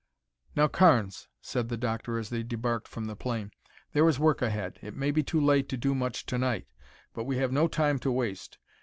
"Now, Carnes," said the doctor as they debarked from the plane, "there is work ahead. It may be too late to do much to night, but we have no time to waste.